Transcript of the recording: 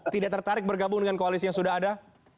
tidak tertarik bergabung dengan koalisi yang sudah ada